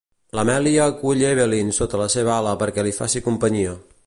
L'Amelia acull l'Evelyn sota la seva ala perquè li faci companyia.